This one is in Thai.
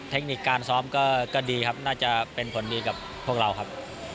เทคนิคการซ้อมก็ดีครับน่าจะเป็นผลดีกับพวกเราครับ